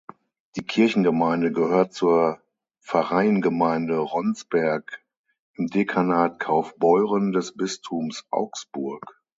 Die Kirchengemeinde gehört zur Pfarreiengemeinschaft Ronsberg im Dekanat Kaufbeuren des Bistums Augsburg.